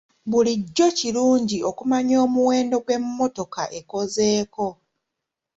Bulijjo kirungi okumanya omuwendo gw'emmotoka ekozeeko.